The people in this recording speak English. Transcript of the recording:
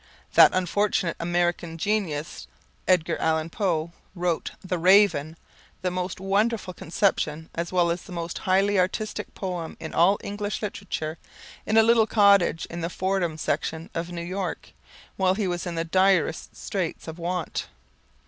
That unfortunate American genius, Edgar Allan Poe, wrote "The Raven," the most wonderful conception as well as the most highly artistic poem in all English literature, in a little cottage in the Fordham section of New York while he was in the direst straits of want.